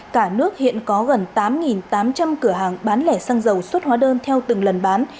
cả nước hiện có gần tám tám trăm linh cửa hàng bán lẻ xăng dầu xuất hóa đơn theo từng lần bán